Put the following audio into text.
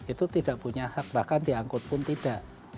itu tidak punya hak bahkan diangkut pun tidak